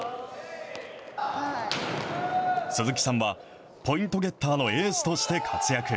鈴木さんは、ポイントゲッターのエースとして活躍。